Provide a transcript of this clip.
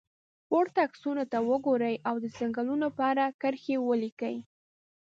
پورته عکسونو ته وګورئ او د څنګلونو په اړه کرښې ولیکئ.